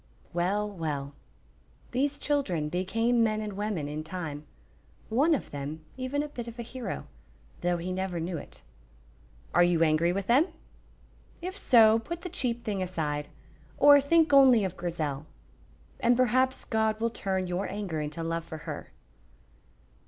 Well, well, these children became men and women in time, one of them even a bit of a hero, though he never knew it. Are you angry with them? If so, put the cheap thing aside, or think only of Grizel, and perhaps God will turn your anger into love for her.